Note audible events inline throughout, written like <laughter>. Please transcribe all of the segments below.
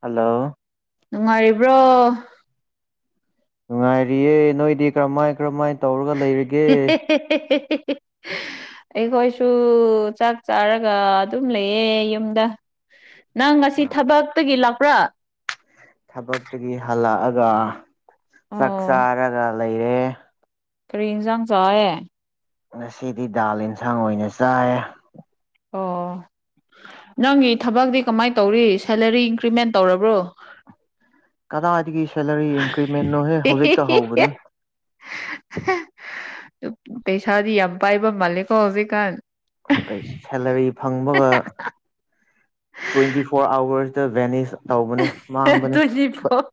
Hello ꯅꯨꯡꯉꯥꯏꯔꯤꯕ꯭ꯔꯣ ꯅꯨꯡꯉꯥꯏꯔꯤꯌꯦꯦ ꯅꯣꯏꯗꯤ ꯀꯔꯝꯥꯏ ꯀꯔꯝꯥꯏꯅ ꯇꯧꯔꯒ ꯂꯩꯔꯤꯒ <unintelligible> ꯑꯩꯈꯣꯏꯁꯨ ꯆꯥꯛ ꯆꯥꯔꯒ ꯑꯗꯨꯝ ꯂꯩꯌꯦ ꯌꯨꯝꯗ <inaudible> ꯅꯪ ꯉꯁꯤ ꯊꯕꯛꯇꯒꯤ ꯂꯥꯛꯄ꯭ꯔꯥ ꯊꯕꯛꯇꯒꯤ ꯍꯜꯂꯛꯑꯒ ꯆꯥꯛ ꯑꯣ ꯆꯥꯔꯒ ꯂꯩꯔꯦ ꯀꯔꯤ ꯑꯦꯟꯖꯥꯡ ꯆꯥꯑꯦ ꯉꯁꯤꯗꯤ ꯗꯥꯜ ꯌꯦꯟꯁꯥꯡ ꯑꯣꯏꯅ ꯆꯥꯏꯌꯦ ꯑꯣ ꯅꯪꯒꯤ ꯊꯕꯛꯇꯤ ꯀꯃꯥꯏ ꯇꯧꯔꯤ ꯁꯦꯂꯔꯤ ꯏꯟꯀ꯭ꯔꯤꯃꯦꯟ ꯇꯧꯔꯕ꯭ꯔꯣ ꯀꯗꯥꯏꯗꯒꯤ ꯁꯦꯂꯔꯤ ꯏꯟꯀ꯭ꯔꯤꯃꯦꯟꯅꯣꯍꯦ ꯍꯧꯖꯤꯛꯇ ꯍꯧꯕꯅꯦ ꯄꯩꯁꯥꯗꯤ ꯌꯥꯝ ꯄꯥꯏꯕ ꯃꯥꯜꯂꯦꯀꯣ ꯍꯧꯖꯤꯛꯀꯥꯟ꯫ ꯁꯦꯂꯔꯤ ꯐꯪꯕꯒ ꯇ꯭ꯋꯦꯟꯇꯤ ꯐꯣꯔ ꯑꯋꯔꯁꯇ ꯚꯦꯅꯤꯁ ꯇꯧꯕꯅꯦ ꯃꯥꯡꯕꯅꯦ ꯇ꯭ꯋꯦꯟꯇꯤ ꯐꯣꯔ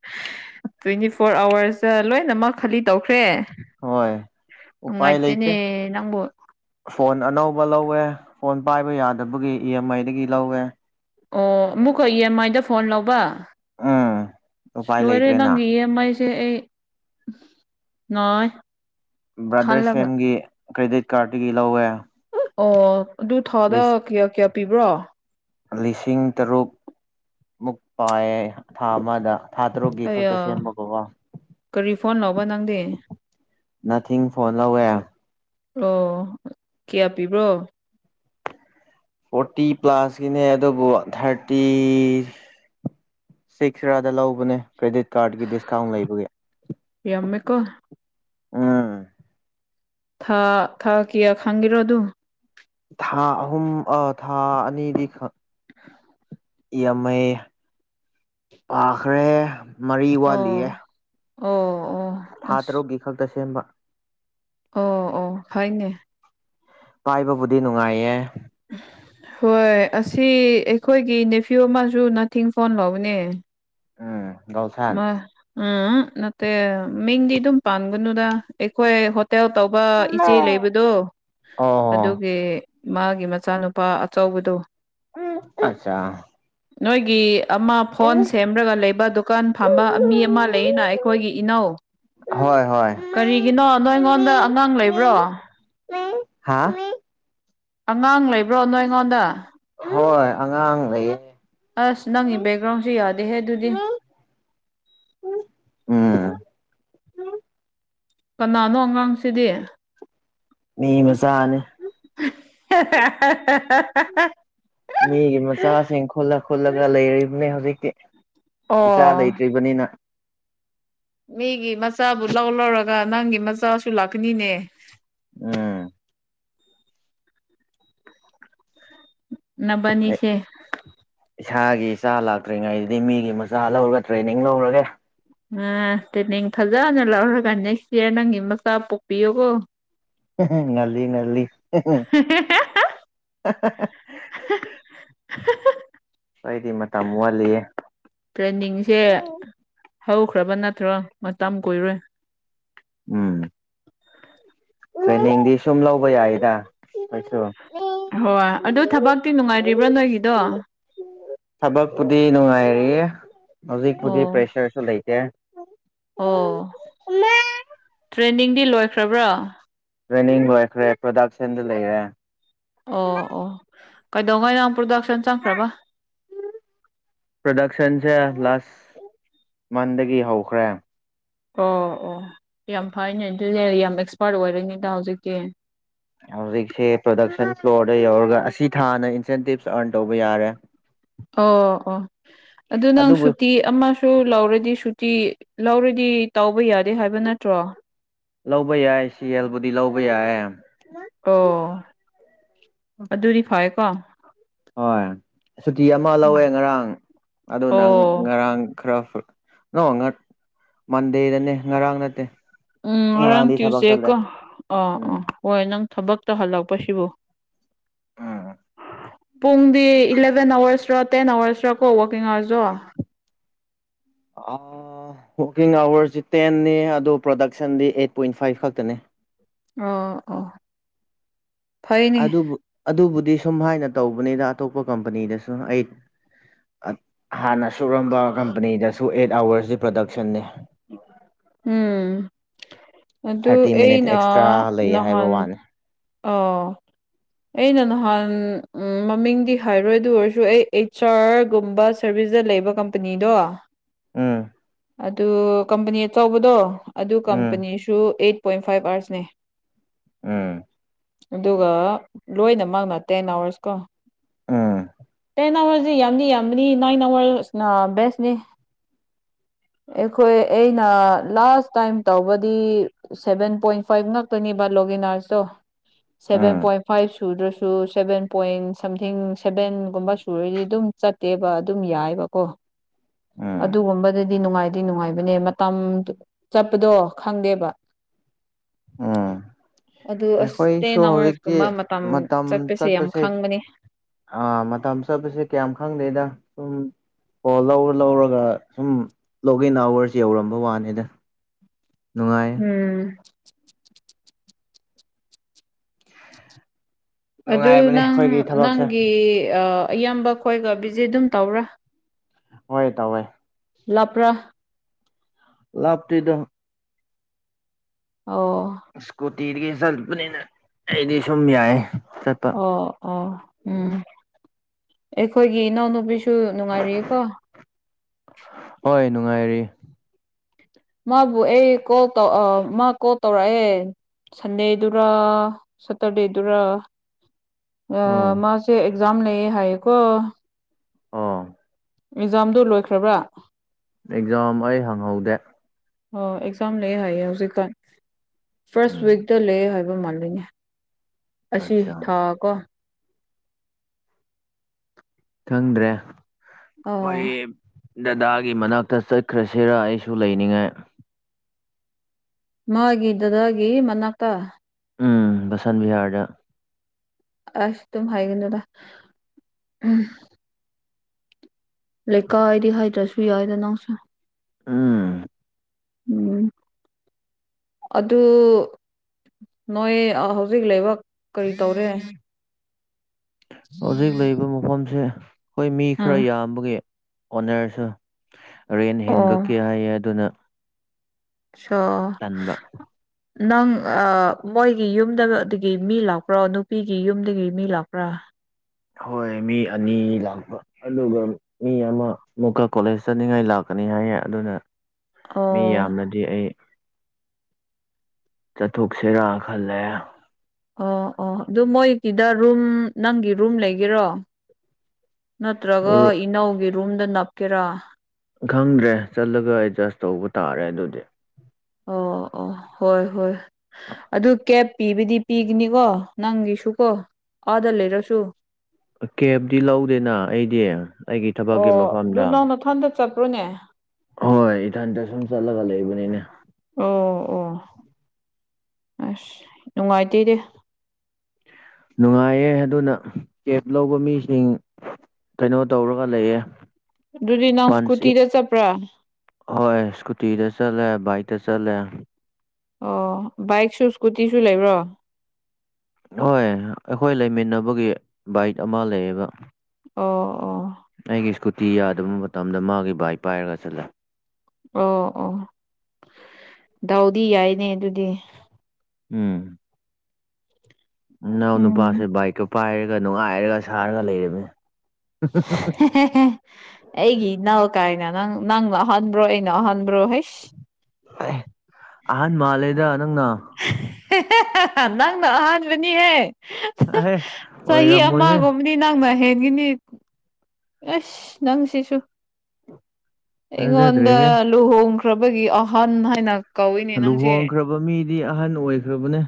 ꯇ꯭ꯋꯦꯟꯇꯤ ꯐꯣꯔ ꯑꯋꯥꯔꯁꯇ ꯂꯣꯏꯅꯃꯛ ꯈꯜꯂꯤ ꯇꯧꯈ꯭ꯔꯦ ꯍꯣꯏ ꯎꯄꯥꯏ ꯎꯪꯥꯏꯇꯅꯦ ꯂꯩꯇꯦ ꯅꯪꯕꯨ ꯐꯣꯟ ꯑꯅꯧꯕ ꯂꯧꯋꯦ ꯐꯣꯟ ꯄꯥꯏꯕ ꯌꯥꯗꯕꯒꯤ ꯏ ꯑꯦꯝ ꯑꯥꯏꯗꯒꯤ ꯂꯧꯋꯦ꯫ ꯑꯣ ꯑꯃꯨꯛꯀ ꯏ ꯑꯦꯝ ꯑꯥꯏꯗ ꯐꯣꯟ ꯂꯧꯕ ꯎꯝ ꯎꯄꯥꯏ ꯂꯣꯏꯔꯦ ꯂꯩꯇ꯭ꯔꯦꯅ ꯅꯪꯒꯤ ꯏꯦꯝ ꯃ ꯑꯩꯁꯦ ꯑꯩ ꯅꯣꯏ ꯕ꯭ꯔꯥꯗꯔ ꯁꯦꯝꯒꯤ ꯀ꯭ꯔꯦꯗꯤꯠ ꯀꯥꯔꯠꯇꯒꯤ ꯂꯧꯋꯦ ꯑꯣ ꯑꯗꯨ ꯊꯥꯗ ꯂꯤꯁ ꯀꯌꯥ ꯀꯌꯥ ꯄꯤꯕ꯭ꯔꯣ ꯂꯤꯁꯤꯡ ꯇꯔꯨꯛ ꯃꯨꯛ ꯄꯥꯏꯌꯦ ꯊꯥ ꯑꯃꯗ ꯊꯥ ꯇꯔꯨꯛꯀꯤ ꯑꯩ ꯈꯛꯇ ꯁꯦꯝꯕꯀꯣꯒꯣ ꯀꯔꯤ ꯐꯣꯟ ꯂꯧꯕ ꯅꯪꯗꯤ ꯅꯊꯤꯡ ꯐꯣ ꯅꯣꯋꯦ ꯑꯣ ꯀꯌꯥ ꯄꯤꯕ꯭ꯔꯣ ꯐꯣꯔꯇꯤ ꯄ꯭ꯂꯥꯁꯀꯤꯅꯦ ꯑꯗꯨꯕꯨ ꯊꯥꯔꯇꯤ ꯁꯤꯛꯁ ꯌꯥꯔꯗ ꯂꯧꯕꯅꯦ ꯀ꯭ꯔꯦꯗꯤꯠ ꯀꯥꯔꯠꯒꯤ ꯗꯤꯁꯀꯥꯎꯟ ꯂꯩꯕꯒꯤ ꯌꯥꯝꯃꯦꯀꯣ ꯎꯝ ꯊꯥ ꯊꯥ ꯀꯌꯥ ꯈꯪꯒꯤꯔꯣ ꯑꯗꯨ ꯊꯥ ꯑꯍꯨꯝ ꯑ ꯊꯥ ꯑꯅꯤꯗꯤ ꯈ ꯌꯥꯝꯃꯩ ꯄꯥꯈ꯭ꯔꯦ ꯃꯔꯤ ꯑꯣ ꯋꯥꯠꯂꯤꯌꯦ ꯑꯣ ꯑꯣ ꯊꯥ ꯑꯁ ꯇꯔꯨꯛꯀꯤ ꯈꯛꯇ ꯁꯦꯝꯕ ꯑꯣ ꯑꯣ ꯐꯩꯅꯦ ꯄꯥꯏꯕꯕꯨꯗꯤ ꯅꯨꯡꯉꯥꯏꯌꯦ ꯍꯣꯏ ꯑꯁꯤ ꯑꯩꯈꯣꯏꯒꯤ ꯅꯦꯐꯤꯌꯨ ꯑꯃꯁꯨ ꯅꯥꯊꯤꯡ ꯐꯣꯟ ꯂꯧꯕꯅꯦ ꯎꯝ ꯒꯧꯁꯥꯟ ꯃꯥ ꯎꯝ ꯅꯠꯇꯦ ꯃꯤꯡꯗꯤ ꯑꯗꯨꯝ ꯄꯥꯟꯒꯅꯨꯗ ꯑꯩꯈꯣꯏ ꯍꯣꯠ ꯇꯦꯜ ꯇꯧꯕ ꯏꯆꯦ ꯂꯩꯕꯗꯣ ꯑꯣ ꯑꯗꯨꯒꯤ ꯃꯥꯒꯤ ꯃꯆꯥꯅꯨꯄꯥ ꯑꯆꯧꯕꯗꯣ ꯑꯆꯥ ꯅꯣꯏꯒꯤ ꯑꯃ ꯐꯣꯟ ꯁꯦꯝꯔꯒ ꯂꯩꯕꯗꯨ ꯀꯥꯟ ꯐꯥꯝꯕ ꯃꯤ ꯑꯃ ꯂꯩꯌꯦꯅ ꯑꯩꯈꯣꯏꯒꯤ ꯏꯅꯧ ꯍꯣꯏ ꯍꯣꯏ꯫ ꯀꯔꯤꯒꯤꯅꯣ ꯅꯣꯏꯉꯣꯟꯗ ꯑꯉꯥꯡ ꯂꯩꯕ꯭ꯔꯣ ꯍꯥ ꯑꯉꯥꯡ ꯂꯩꯕ꯭ꯔꯣ ꯅꯣꯏꯉꯣꯟꯗ ꯍꯣꯏ ꯑꯉꯥꯡ ꯂꯩꯌꯦ ꯑꯁ ꯅꯪꯒꯤ ꯕꯦꯛꯒ꯭ꯔꯥꯎꯟꯁꯦ ꯌꯥꯗꯦꯍꯦ ꯑꯗꯨꯗꯤ ꯎꯝ ꯀꯅꯥꯅꯣ ꯑꯉꯥꯡꯁꯤꯗꯤ ꯃꯤ ꯃꯆꯥꯥꯅꯦ <unintelligible> ꯃꯤꯒꯤ ꯃꯆꯥꯁꯤꯡ ꯈꯨꯜꯂ ꯈꯨꯜꯂꯒ ꯂꯩꯔꯤꯕꯅꯤ ꯍꯧꯖꯤꯛꯇꯤ ꯏꯆꯥ ꯑꯣ ꯂꯩꯇ꯭ꯔꯤꯕꯅꯤꯅ ꯃꯤꯒꯤ ꯃꯆꯥꯕꯨ ꯂꯧ ꯂꯧꯔꯒ ꯅꯪꯒꯤ ꯃꯆꯥꯁꯨ ꯂꯥꯛꯀꯅꯤꯅꯦ ꯎꯝ ꯅꯕꯥꯅꯤꯁꯦ ꯏꯁꯥꯒꯤ ꯏꯆꯥ ꯂꯥꯛꯇ꯭ꯔꯤꯉꯩꯗꯗꯤ ꯃꯤꯒꯤ ꯃꯆꯥ ꯂꯧꯔꯒ ꯇ꯭ꯔꯦꯅꯤꯡ ꯂꯧꯔꯒꯦ ꯑꯥ ꯇꯔ꯭ꯦꯟꯅꯤꯡ ꯐꯖꯅ ꯂꯧꯔꯒ ꯅꯦꯛꯁ ꯏꯌꯥꯔ ꯅꯪꯒꯤ ꯃꯆꯥ ꯄꯣꯛꯄꯤꯌꯣꯀꯣ ꯉꯜꯂꯤ ꯉꯜꯂꯤ <unintelligible> ꯑꯩꯗꯤ ꯃꯇꯝ ꯋꯥꯠꯂꯤꯌꯦ ꯇ꯭ꯔꯦꯟꯅꯤꯡꯁꯦ ꯍꯧꯈ꯭ꯔꯕ ꯅꯠꯇ꯭ꯔꯣ ꯃꯇꯝ ꯀꯨꯏꯔꯣꯏ ꯎꯝ ꯇ꯭ꯔꯦꯅꯤꯡꯗꯤ ꯁꯨꯝ ꯂꯧꯕ ꯌꯥꯏꯗ ꯅꯣꯏꯁꯨ ꯍꯣꯏ ꯑꯗꯨ ꯊꯕꯛꯇꯤ ꯅꯨꯡꯉꯥꯏꯔꯤꯕ꯭ꯔꯥ ꯅꯣꯏꯒꯤꯗꯣ ꯊꯕꯛꯄꯨꯗꯤ ꯅꯨꯡꯉꯥꯏꯔꯤ ꯍꯧꯖꯤꯛꯄꯨꯗꯤ ꯑꯣ ꯄ꯭ꯔꯦꯁꯔꯁꯨ ꯂꯩꯇꯦ ꯑꯣ ꯇ꯭ꯔꯦꯟꯅꯤꯡꯗꯤ ꯂꯣꯏꯈ꯭ꯔꯕ꯭ꯔꯣ ꯇ꯭ꯔꯦꯅꯤꯡ ꯂꯣꯏꯈ꯭ꯔꯦ ꯄ꯭ꯔꯗꯛꯁꯟꯗ ꯂꯩꯔꯦ ꯑꯣ ꯑꯣ ꯀꯩꯗꯧꯉꯥꯏ ꯅꯪ ꯄ꯭ꯔꯗꯛꯁꯟ ꯆꯪꯈ꯭ꯔꯕ ꯄ꯭ꯔꯣꯗꯛꯁꯟꯁꯦ ꯂꯥꯁ ꯃꯟꯗꯒꯤ ꯍꯧꯈ꯭ꯔꯦ ꯑꯣ ꯑꯣ ꯌꯥꯝ ꯐꯩꯅꯦ ꯑꯗꯨꯗꯤ ꯌꯥꯝ ꯑꯦꯛꯁꯄꯥꯔꯠ ꯑꯣꯏꯔꯅꯤꯗ ꯍꯧꯖꯤꯛꯇꯤ ꯍꯧꯖꯤꯛꯁꯦ ꯄ꯭ꯔꯗꯛꯁꯟ ꯐ꯭ꯂꯣꯔꯗ ꯌꯧꯔꯒ ꯑꯁꯤ ꯊꯥꯅ ꯏꯟꯁꯦꯟꯇꯤꯞꯁ ꯑꯥꯔꯟ ꯇꯧꯕ ꯌꯥꯔꯦ ꯑꯣ ꯑꯣ ꯑꯗꯨ ꯅꯪ ꯑꯗꯨꯕꯨ ꯁꯨꯇꯤ ꯑꯃꯁꯨ ꯂꯧꯔꯗꯤ ꯁꯨꯇꯤ ꯂꯧꯔꯗꯤ ꯇꯧꯕ ꯌꯥꯗꯦ ꯍꯥꯏꯕ ꯅꯠꯇ꯭ꯔꯣ ꯂꯧꯕ ꯌꯥꯏ ꯁꯤ ꯑꯦꯜꯕꯨꯗꯤ ꯂꯧꯕ ꯌꯥꯏ꯫ ꯑꯣ ꯑꯗꯨꯗꯤ ꯐꯩꯌꯦꯀꯣ ꯍꯣꯏ ꯁꯨꯇꯤ ꯑꯃ ꯂꯧꯋꯦ ꯉꯔꯥꯡ꯫ ꯑꯗꯨ ꯅꯪ ꯑꯣ ꯉꯔꯥꯡ ꯈꯔ꯫ ꯅꯣ ꯃꯟꯗꯦꯗꯅꯦ ꯉꯔꯥꯡ ꯅꯠꯇꯦ ꯎꯝ ꯉꯔꯥꯡ ꯉꯔꯥꯡꯗꯤ ꯊꯕꯛ ꯆꯠꯂꯦ ꯇ꯭ꯌꯨꯏꯁꯗꯦꯀꯣ ꯑꯥ ꯑꯣ ꯎꯝ ꯍꯣꯏ ꯅꯪ ꯊꯕꯛꯇꯣ ꯍꯜꯂꯛꯄꯁꯤꯕꯨ ꯄꯨꯡꯗꯤ ꯏꯂꯦꯚꯦꯟ ꯑꯋꯥꯔꯁꯔꯣ ꯇꯦꯟ ꯑꯋꯥꯔꯁꯔꯀꯣ ꯋꯥꯔꯛꯀꯤꯡ ꯑꯋꯥꯔꯁꯁꯨ ꯋꯥꯔꯀꯤꯡ ꯑꯋꯔꯁꯤ ꯇꯦꯟꯅꯤ ꯑꯗꯨꯗꯣ ꯄ꯭ꯔꯗꯛꯁꯟꯗꯤ ꯑꯩꯠ ꯄꯣꯏꯟ ꯐꯥꯏꯚ ꯈꯛꯇꯅꯤ ꯑꯣ ꯑꯣ ꯐꯩꯅꯦ ꯑꯗꯨꯕꯨ ꯑꯗꯨꯕꯨꯗꯤ ꯁꯨꯝꯃꯥꯏꯅ ꯇꯧꯕꯅꯤꯗ ꯑꯇꯣꯞꯄ ꯀꯝꯄꯅꯤꯗꯁꯨ ꯑꯩ ꯍꯥꯟꯅ ꯁꯨꯔꯝꯕ ꯀꯝꯄꯅꯤꯗꯁꯨ ꯑꯦꯠ ꯑꯋꯔꯁꯁꯤ ꯄ꯭ꯔꯗꯛꯁꯟꯅꯅꯤ ꯎꯝ ꯑꯗꯨ ꯊꯥꯔꯇꯤ ꯃꯤꯅꯤꯠ ꯑꯩꯅ ꯑꯦꯛꯁꯇ꯭ꯔꯥ ꯂꯩꯌꯦ ꯍꯥꯏꯕ ꯅꯍꯥꯟ ꯋꯥꯅꯤ ꯑꯣ ꯑꯩꯅ ꯅꯍꯥꯟ ꯃꯃꯤꯡꯗꯤ ꯍꯥꯏꯔꯣꯏ ꯑꯗꯨ ꯑꯣꯏꯔꯁꯨ ꯑꯩ ꯑꯩꯆ ꯑꯥꯔꯒꯨꯝꯕ ꯁꯔꯚꯤꯁꯇ ꯂꯩꯕ ꯀꯝꯄꯅꯤꯗꯣ ꯎꯝ ꯑꯗꯨ ꯀꯝꯄꯅꯤ ꯑꯆꯧꯕꯗꯣ ꯑꯗꯨ ꯎꯝ ꯀꯝꯄꯅꯤꯁꯨ ꯑꯩꯠ ꯄꯣꯏꯟ ꯐꯥꯏꯚ ꯑꯋꯥꯔꯁꯅꯦ ꯎꯝ ꯑꯗꯨꯒ ꯂꯣꯏꯅꯃꯛꯅ ꯇꯦꯟ ꯑꯋꯥꯔꯁ ꯀꯣ ꯎꯝ ꯇꯦꯟ ꯑꯋꯥꯔꯁꯦ ꯌꯥꯝꯗꯤ ꯌꯥꯝꯕꯅꯤ ꯅꯥꯏꯟ ꯑꯋꯥꯔꯁꯅ ꯕꯦꯁꯅꯦ ꯑꯩꯈꯣꯏ ꯑꯩꯅ ꯂꯥꯁ ꯇꯥꯏꯝ ꯇꯧꯕꯗꯤ ꯁꯦꯚꯦꯟ ꯄꯣꯏꯟ ꯐꯥꯏꯚ ꯉꯥꯛꯇꯅꯦꯕ ꯂꯣꯒꯦꯅꯥꯔꯁꯇꯣ ꯁꯦꯚꯦꯟ ꯎꯝ ꯄꯣꯏꯟ ꯐꯥꯏꯚ ꯁꯨꯗ꯭ꯔꯁꯨ ꯁꯚꯦꯟ ꯄꯣꯏꯟ ꯁꯝꯊꯤꯡ ꯁꯚꯦꯟꯒꯨꯝꯕ ꯁꯨꯔꯗꯤ ꯑꯗꯨꯝ ꯆꯠ ꯅꯠꯇꯦꯕ ꯑꯗꯨꯝ ꯌꯥꯏꯕꯀꯣ ꯎꯝ ꯑꯗꯨꯒꯨꯝꯕꯗꯗꯤ ꯅꯨꯡꯉꯥꯏꯗꯤ ꯅꯨꯡꯉꯥꯏꯕꯅꯦ ꯆꯠꯄꯗꯣ ꯈꯪꯗꯦꯕ ꯎꯝ ꯑꯗꯨ ꯑꯁ ꯑꯩꯈꯣꯏꯁꯨ ꯇꯦꯟ ꯍꯧꯖꯤꯛꯇꯤ ꯑꯋꯥꯔꯁꯀꯨꯝꯕ ꯃꯇꯝ ꯌꯥꯝ ꯆꯠꯄꯁꯦ ꯈꯪꯕꯅꯦ ꯑꯥ ꯃꯇꯝ ꯆꯥꯄꯁꯦ ꯀꯌꯥꯝ ꯈꯪꯗꯦꯗ ꯁꯨꯝ ꯀꯣꯜ ꯂꯧꯔ ꯂꯧꯔꯒ ꯁꯨꯝ ꯂꯣꯛ ꯏꯟ ꯑꯋꯔꯁ ꯌꯧꯔꯝꯕ ꯋꯥꯅꯤꯗ ꯅꯨꯡꯉꯥꯏ ꯎꯝ <inaudible> ꯑꯗꯨ ꯅꯨꯡꯉꯥꯏꯕꯅꯦ ꯅꯪ ꯑꯩꯈꯣꯏꯒꯤ ꯊꯕꯛꯁꯦ ꯅꯪꯒꯤ ꯑꯌꯥꯝꯕ ꯈꯣꯏꯒ ꯚꯤꯖꯤꯠ ꯑꯗꯨꯝ ꯇꯧꯕꯔ꯭ꯥ ꯍꯣꯏ ꯇꯥꯎꯋꯦ ꯂꯥꯞꯄꯔ꯭ ꯂꯞꯇꯦꯗ ꯑꯣ ꯏꯁꯀꯨꯇꯤꯗꯒꯤ ꯆꯠꯄꯅꯤꯅ ꯑꯩꯗꯤ ꯁꯨꯝ ꯌꯥꯏ ꯆꯠ ꯑꯣ ꯑꯣ ꯎꯝ ꯑꯩꯈꯣꯏꯒꯤ ꯏꯅꯥꯎꯅꯨꯕꯤꯁꯨ ꯅꯨꯡꯉꯥꯏꯔꯤꯀꯣ ꯍꯣꯏ ꯅꯨꯡꯉꯥꯏꯔꯤ ꯃꯥꯕꯨ ꯑꯩ ꯀꯣꯜ ꯇꯧ ꯃꯥ ꯀꯣꯜ ꯇꯧꯔꯛꯑꯦ ꯁꯟꯗꯦꯗꯨꯔ ꯁꯇꯔꯗꯦꯗꯨꯔ ꯎꯝ ꯃꯁꯦ ꯑꯦꯛꯖꯥꯝ ꯂꯦ ꯍꯥꯏꯀ ꯑꯥ ꯑꯦꯖꯥꯝꯗꯨ ꯂꯣꯏꯈ꯭ꯔꯕ꯭ꯔꯥ ꯑꯦꯛꯖꯥꯝ ꯑꯩ ꯍꯪꯍꯧꯗꯦ ꯑꯣ ꯑꯦꯛꯖꯥꯝ ꯂꯩ ꯍꯥꯏꯌꯦ ꯍꯧꯖꯤꯛꯀꯥꯟ ꯐꯥꯔꯁ ꯎꯝ ꯋꯤꯛꯛꯇ ꯂꯩ ꯍꯥꯏ ꯍꯥꯏꯕ ꯃꯥꯜꯂꯣꯏꯅꯦ ꯑꯁꯤ ꯑꯠꯆꯥ ꯊꯥ ꯀꯣ ꯈꯪꯗ꯭ꯔꯦ ꯑꯣ ꯑꯩꯈꯣꯏ ꯗꯗꯥꯒꯤ ꯃꯅꯥꯛꯇ ꯆꯠꯈ꯭ꯔꯁꯤꯔ ꯑꯩꯁꯨ ꯂꯩꯅꯤꯡꯉꯥꯏ ꯃꯥꯒꯤꯦ ꯗꯗꯥꯒꯤꯦ ꯃꯅꯥꯀ ꯎꯝ ꯕꯁꯟ ꯕꯤꯍꯥꯔꯗ ꯑ ꯁꯤꯇꯝ ꯍꯥꯏꯒꯅꯤꯗ ꯎꯝ ꯂꯩꯀꯥꯏꯗꯤ ꯍꯥꯏꯗ꯭ꯔꯁꯨ ꯌꯥꯏꯗ ꯅꯪꯁꯨ ꯎꯝ ꯎꯝ ꯑꯗꯨ ꯅꯣꯏ ꯍꯧꯖꯤꯛ ꯂꯩꯕꯥꯛ ꯀꯔꯤ ꯇꯧꯔꯦ ꯍꯧꯖꯤꯛ ꯂꯩꯔꯤꯕ ꯃꯐꯝꯁꯦ ꯑꯩꯈꯣꯏ ꯃꯤ ꯈꯔ ꯎꯝ ꯌꯥꯝꯕꯒꯤ ꯑꯣꯅꯔꯁꯨ ꯔꯦꯟ ꯑꯣ ꯍꯤꯡꯒꯠꯀꯦ ꯍꯥꯏꯌꯦ ꯑꯗꯨꯅ ꯑ ꯇꯟꯕ ꯅꯪ ꯃꯣꯏꯒꯤ ꯌꯨꯝꯗꯗꯒꯤ ꯃꯤ ꯂꯥꯛꯄ꯭ꯔꯣ ꯅꯨꯄꯤꯒꯤ ꯌꯨꯝꯗꯒꯤ ꯃꯤ ꯂꯥꯛꯄ꯭ꯔꯥ ꯍꯣꯏ ꯃꯤ ꯑꯅꯤ ꯂꯥꯛꯄ ꯑꯗꯨꯒ ꯃꯤ ꯑꯃ ꯑꯃꯨꯛꯀ ꯀꯣꯂꯦꯖ ꯆꯠꯅꯤꯡꯉꯥꯏ ꯂꯥꯛꯀꯅꯤ ꯍꯥꯏꯌꯦ ꯑꯗꯨꯅ ꯃꯤ ꯑꯣ ꯌꯥꯝꯅꯗꯤ ꯑꯩ ꯆꯠꯊꯣꯛꯁꯤꯦꯔꯥ ꯈꯜꯂꯦ ꯑꯣ ꯑꯣ ꯑꯗꯨ ꯃꯣꯏꯒꯤꯗ ꯔꯨꯝ ꯅꯪꯒꯤ ꯔꯨꯝ ꯂꯩꯒꯦꯔꯣ ꯅꯠꯇ꯭ꯔꯒ ꯑꯗꯨ ꯏꯅꯧꯒꯤ ꯔꯨꯝꯗ ꯅꯞꯀꯦꯔꯥ ꯈꯪꯗ꯭ꯔꯦ ꯆꯠꯂꯒ ꯑꯦꯗꯖꯁ ꯇꯧꯕ ꯇꯥꯔꯦ ꯑꯗꯨꯗꯤ ꯑꯣ ꯑꯣ ꯍꯣꯏ ꯍꯣꯏ ꯑꯗꯨ ꯀꯦꯞ ꯄꯤꯕꯗꯤ ꯄꯤꯒꯅꯤꯀꯣ ꯅꯪꯒꯤꯁꯨꯀꯣ ꯑꯥꯗ ꯂꯩꯔꯁꯨ ꯀꯦꯞꯇꯤ ꯂꯧꯗꯦꯅ ꯑꯩꯗꯤ ꯑꯩꯒꯤ ꯊꯕꯛꯀꯤ ꯃꯐꯝꯗ ꯍꯟꯗ ꯆꯠꯄ꯭ꯔꯣꯅꯦ ꯍꯣꯏ ꯍꯣꯏ ꯏꯊꯟꯇ ꯁꯨꯝ ꯆꯠꯂꯒ ꯂꯩꯕꯅꯤꯅꯦ ꯑꯣ ꯑꯣ ꯑꯁ ꯅꯨꯡꯉꯥꯏꯇꯦꯗꯤ ꯅꯨꯡꯉꯥꯏꯌꯦ ꯑꯗꯨꯅ ꯀꯦꯕ ꯂꯧꯕ ꯃꯤꯁꯤꯡ ꯀꯩꯅꯣ ꯇꯧꯔꯒ ꯂꯩꯌꯦ ꯑꯗꯨꯗꯤ ꯅꯥꯎ ꯄꯟꯁ ꯏꯁ꯭ꯀꯨꯇꯤꯗ ꯆꯠꯄ꯭ꯔꯥ ꯍꯣꯏ ꯏꯁꯀꯨꯇꯤꯗ ꯆꯠꯂꯦ ꯕꯥꯏꯛꯇ ꯆꯠꯂꯦ ꯑꯣ ꯕꯥꯏꯛꯁꯨ ꯁ꯭ꯀꯨꯇꯤꯁꯨ ꯂꯩꯕ꯭ꯔꯣ ꯍꯣꯏ ꯑꯩꯈꯣꯏ ꯂꯩꯃꯤꯟꯅꯕꯒꯤ ꯕꯥꯏꯛ ꯑꯃ ꯂꯩꯌꯦꯕ ꯑꯣ ꯑꯣ ꯑꯩꯒꯤ ꯏꯁꯀꯨꯇꯤ ꯌꯥꯗꯕ ꯃꯇꯝꯗ ꯃꯥꯒꯤ ꯕꯥꯏꯛ ꯄꯥꯏꯔꯒ ꯆꯠꯂꯦ ꯑꯣ ꯑꯣ ꯗꯥꯎꯗꯤ ꯌꯥꯏꯅꯦ ꯑꯗꯨꯗꯤ ꯎꯝ ꯅꯅꯥꯎ ꯅꯨꯄꯥꯁꯦ ꯎꯝ ꯕꯥꯏꯛꯇꯀꯣ ꯄꯥꯏꯔꯒ ꯅꯨꯡꯉꯥꯏꯔꯒ ꯁꯥꯔꯒ ꯂꯩꯔꯝꯃꯤ ꯑꯩꯒꯤ ꯏꯅꯥꯎ ꯀꯥꯏꯅ ꯅꯪ ꯅꯪꯅ ꯑꯍꯟꯥꯟꯕ꯭ꯔꯣ ꯑꯩꯅ ꯑꯍꯟꯕ꯭ꯔꯣ ꯍꯁ ꯑꯦ ꯑꯍꯟ ꯃꯥꯜꯂꯦꯗ ꯅꯪꯅ ꯅꯪꯅ ꯑꯍꯥꯟꯕꯅꯤꯍꯦ ꯍꯦ ꯑꯣꯏꯔꯝꯃꯣ ꯍꯦ ꯅꯪ ꯃꯍꯍꯦꯟꯒꯤꯅꯤ ꯑꯁ ꯅꯪꯁꯤꯁꯨ ꯑꯩꯉꯣꯟꯗ ꯊꯥꯖꯗ꯭ꯔꯦꯍꯦ ꯂꯨꯍꯣꯡꯈ꯭ꯔꯕꯒꯤ ꯑꯍꯟ ꯍꯥꯏꯅ ꯀꯧꯏꯅꯦ ꯅꯪꯁꯦ ꯂꯨꯍꯣꯡꯈ꯭ꯔꯕ ꯃꯤꯗꯤ ꯑꯍꯟ ꯑꯣꯏꯈ꯭ꯔꯕꯅꯦ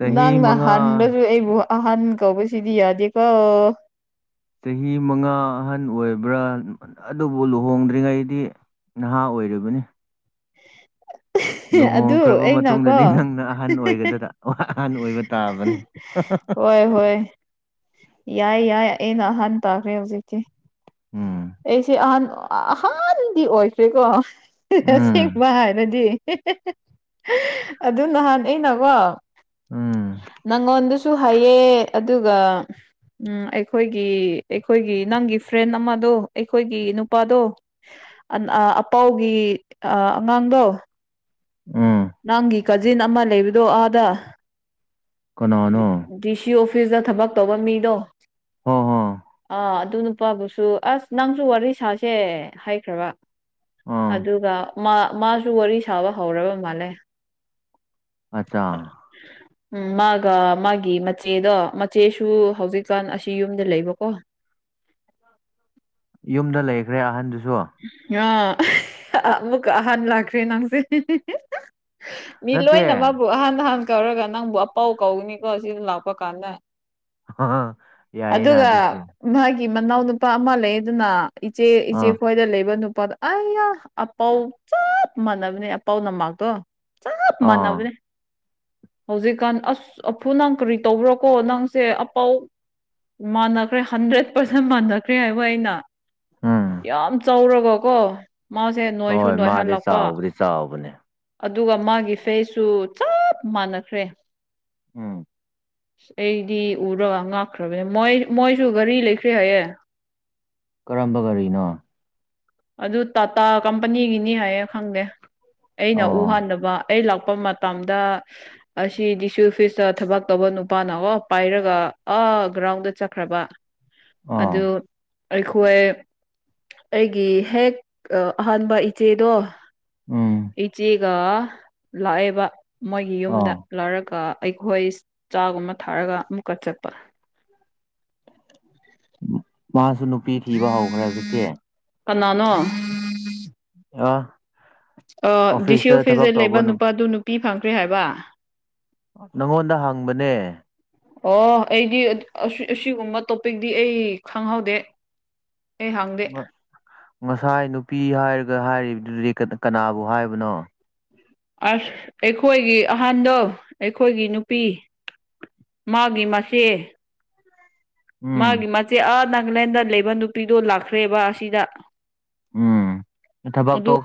ꯆꯍꯤ ꯅꯪꯅ ꯃꯉꯥ ꯍꯥꯟꯗꯁꯨ ꯑꯩꯕꯨ ꯑꯍꯟ ꯀꯧꯕꯁꯤꯗꯤ ꯌꯥꯗꯦꯀꯣ ꯆꯍꯤ ꯃꯉꯥ ꯑꯍꯟ ꯑꯣꯏꯕ꯭ꯔꯥ ꯑꯗꯨꯕꯨ ꯂꯨꯍꯣꯡꯗ꯭ꯔꯤꯉꯩꯗꯤ ꯅꯍꯥ ꯑꯣꯏꯔꯤꯕꯅꯤ ꯑꯗꯨ ꯂꯨꯍꯣꯡꯈ꯭ꯔꯕ ꯑꯩꯅꯀꯣ ꯃꯇꯨꯡꯗꯗꯤ ꯅꯪꯅ ꯑꯍꯟ ꯑꯣꯏꯒꯗ ꯑꯍꯟ ꯑꯣꯏꯕ ꯇꯥꯕꯅꯦ ꯍꯣꯏ ꯍꯣꯏ ꯌꯥꯏ ꯌꯥꯏ ꯑꯩꯅ ꯑꯍꯥꯟꯕ ꯇꯥꯈ꯭ꯔꯦ ꯍꯧꯖꯤꯛꯀꯤ ꯎꯝ ꯑꯩꯁꯦ ꯑꯍꯟ ꯑꯍꯥꯟꯕꯗꯤ ꯑꯣꯏꯈ꯭ꯔꯦꯀꯣ ꯎꯝ ꯑꯁꯦꯡꯕ ꯍꯥꯏꯅꯗꯤ ꯑꯗꯨ ꯅꯍꯥꯟ ꯑꯩꯅꯀꯣ ꯎꯝ ꯅꯪꯉꯣꯟꯗ ꯁꯨ ꯍꯥꯏꯌꯦ ꯑꯗꯨꯒ ꯎꯝ ꯑꯩꯈꯣꯏꯒꯤ ꯑꯩꯈꯣꯏꯒꯤ ꯅꯪꯒꯤ ꯐ꯭ꯔꯦꯟ ꯑꯃꯗꯣ ꯑꯩꯈꯣꯏꯒꯤ ꯅꯨꯄꯥꯗꯣ ꯑꯄꯥꯎꯒꯤ ꯑꯉꯥꯡꯗꯣ ꯎꯝ ꯅꯪꯒꯤ ꯀꯖꯤꯟ ꯑꯃ ꯂꯩꯕꯗꯣ ꯑꯥꯗ ꯀꯅꯥꯅꯣ ꯗꯤ ꯁꯤ ꯑꯣꯐꯤꯁꯇ ꯊꯕꯛ ꯇꯧꯕ ꯃꯤꯗꯣ ꯍꯣ ꯍꯣ ꯑꯥ ꯑꯗꯨꯅ ꯅꯨꯄꯥꯕꯨꯁꯨ ꯑꯁ ꯅꯪꯁꯨ ꯋꯥꯔꯤ ꯁꯥꯁꯦ ꯍꯥꯏꯈ꯭ꯔꯕ ꯑꯥ ꯑꯗꯨꯒ ꯃꯥꯁꯨ ꯋꯥꯔꯤ ꯁꯥꯕ ꯍꯧꯔꯕ ꯃꯥꯜꯂꯦ ꯑꯆꯥ ꯎꯝ ꯃꯥ ꯃꯥꯒꯤ ꯃꯆꯦꯗꯣ ꯃꯆꯦꯁꯨ ꯍꯧꯖꯤꯛꯀꯥꯟ ꯑꯁꯤ ꯌꯨꯝꯗ ꯂꯩꯕꯀꯣ ꯌꯨꯝꯗ ꯂꯩꯈ꯭ꯔꯦ ꯑꯍꯟꯗꯨꯁꯨ ꯑꯥ ꯑꯃꯨꯛ ꯑꯍꯥꯟꯕ ꯂꯥꯛꯈ꯭ꯔꯦ ꯅꯪꯁꯦ ꯃꯤ ꯅꯠꯇꯦ ꯂꯣꯏꯅꯃꯛꯕꯨ ꯑꯍꯟ ꯑꯍꯟ ꯀꯧꯔꯒ ꯅꯪꯕꯨ ꯑꯄꯧ ꯀꯧꯒꯅꯤꯀꯣ ꯁꯤꯗ ꯂꯥꯛꯄ ꯀꯥꯟꯗ ꯍ ꯌꯥꯏꯅꯦ ꯑ ꯑꯗꯨꯨ ꯁꯨ ꯑꯗꯨꯒ ꯃꯥꯒꯤ ꯃꯅꯥꯎ ꯅꯨꯄꯥ ꯑꯃ ꯂꯩ ꯑꯗꯨꯅ ꯏꯆꯦ ꯏꯆꯦ ꯑꯥ ꯈꯣꯏꯗ ꯂꯩꯕ ꯅꯨꯄꯥꯗꯣ ꯑꯩꯌꯥ ꯑꯄꯥꯎ ꯆꯞ ꯃꯥꯟꯅꯕꯅꯦ ꯑꯄꯥꯎ ꯅꯄꯥꯛꯇꯣ ꯆꯞ ꯑꯥ ꯃꯥꯟꯅꯕꯅꯦ ꯍꯧꯖꯤꯛꯀꯥꯟ ꯑꯁ ꯑꯐꯨ ꯅꯪ ꯀ꯭ꯔꯤ ꯇꯧꯕ꯭ꯔꯣ ꯀꯣ ꯅꯪꯁꯦ ꯑꯄꯧ ꯃꯥꯟꯅꯈ꯭ꯔꯦ ꯍꯟꯗ꯭ꯔꯦꯠ ꯄꯥꯔꯁꯦꯟ ꯃꯥꯟꯅꯈ꯭ꯔꯦ ꯍꯥꯏꯕ ꯑꯩꯅ ꯎꯝ ꯌꯥꯝ ꯆꯥꯎꯔꯒꯀꯣ ꯃꯥꯁꯦ ꯅꯣꯏꯁꯨ ꯍꯣꯏ ꯃꯥꯗꯤ ꯅꯣꯏꯍꯜꯂꯛꯄ ꯆꯥꯎꯕꯗꯤ ꯆꯥꯎꯕꯅꯦ ꯑꯗꯨꯒ ꯃꯥꯒꯤ ꯐꯩꯁꯨ ꯆꯞ ꯃꯥꯟꯅꯈ꯭ꯔꯦ ꯎꯝ ꯑꯩꯗꯤ ꯎꯔ ꯉꯛꯈ꯭ꯔꯕꯅꯦ ꯃꯣꯏ ꯃꯣꯏꯁꯨ ꯒꯥꯔꯤ ꯂꯩꯈ꯭ꯔꯦ ꯍꯥꯏꯌꯦ ꯀꯔꯝꯕ ꯒꯥꯔꯤꯅꯣ ꯑꯗꯨ ꯇꯥꯇꯥ ꯀꯝꯄꯅꯤꯒꯤꯅꯤ ꯍꯥꯏꯌꯦ ꯈꯪꯗꯦ ꯑꯩꯅ ꯎ ꯑꯣ ꯍꯥꯟꯗꯕ ꯑꯩ ꯂꯥꯛꯄ ꯃꯇꯝꯗ ꯑꯁꯤ ꯗꯤ ꯁꯤ ꯑꯣꯐꯤꯁꯇ ꯊꯕꯛ ꯇꯧꯕ ꯅꯨꯄꯥꯅ ꯑꯣ ꯄꯥꯏꯔꯒ ꯑꯥ ꯒ꯭ꯔꯥꯎꯟꯗ ꯆꯠꯈ꯭ꯔꯕ ꯑꯥ ꯑꯗꯨ ꯑꯩꯈꯣꯏ ꯑꯩꯒꯤ ꯍꯦꯛ ꯑꯍꯥꯟꯕ ꯏꯆꯦꯗꯣ ꯎꯝ ꯏꯆꯦꯒ ꯂꯥꯛꯑꯦꯕ ꯃꯣꯏꯒꯤ ꯌꯨꯝꯗ ꯑꯥ ꯂꯧꯔꯒ ꯑꯩꯈꯣꯏ ꯆꯥꯒꯨꯝꯕ ꯊꯥꯔꯒ ꯑꯃꯨꯛꯀ ꯆꯠꯄ ꯃꯥꯁꯨ ꯅꯨꯄꯤ ꯊꯤꯕ ꯍꯧꯈ꯭ꯔꯦ ꯍꯧꯖꯤꯛꯇꯤ ꯀꯅꯥꯅꯣ ꯑꯥ ꯗꯤ ꯁꯤ ꯑꯣꯐꯤꯁꯗ ꯂꯩꯕ ꯅꯨꯄꯥꯗꯨ ꯅꯨꯄꯤ ꯐꯪꯈ꯭ꯔꯦ ꯍꯥꯏꯕ ꯅꯪꯉꯣꯟꯗ ꯍꯪꯕꯅꯦ ꯑꯣ ꯑꯩꯗꯤ ꯑꯁꯤꯒꯨꯝꯕ ꯇꯣꯄꯤꯛꯇꯗꯤ ꯑꯩ ꯈꯪꯍꯧꯗꯦ ꯑꯩ ꯍꯪꯗꯦ ꯉꯁꯥꯏ ꯅꯨꯄꯤ ꯍꯥꯏꯔꯒ ꯍꯥꯏꯔꯤꯕꯗꯨꯗꯤ ꯀꯅꯥꯕꯨ ꯍꯥꯏꯕꯅꯣ ꯑꯁ ꯑꯩꯈꯣꯏꯒꯤ ꯑꯍꯟꯗꯣ ꯑꯩꯈꯣꯏꯒꯤ ꯅꯨꯄꯤ ꯃꯥꯒꯤ ꯃꯥꯆꯦ ꯎꯝ ꯃꯥꯒꯤ ꯃꯆꯦ ꯑꯥ ꯅꯥꯒꯥꯂꯦꯟꯗ ꯂꯩꯕ ꯅꯨꯄꯤꯗꯣ ꯂꯥꯛꯈ꯭ꯔꯦꯕ ꯑꯁꯤꯗ ꯎꯝ ꯊꯕꯛ ꯑꯗꯨ ꯇꯣ